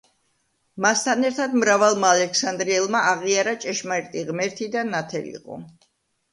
მასთან ერთად მრავალმა ალექსანდრიელმა აღიარა ჭეშმარიტი ღმერთი და ნათელიღო.